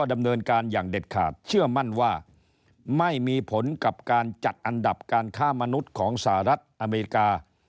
ไม่มีผลกับการจัดอันดับการฆ่ามนุษย์ของสหรัฐอเมริกา